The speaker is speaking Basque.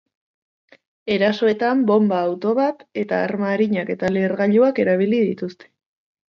Erasoetan bonba-auto bat era arma arinak eta lehergailuak erabili dituzte.